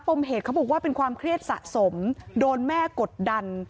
มเหตุเขาบอกว่าเป็นความเครียดสะสมโดนแม่กดดัน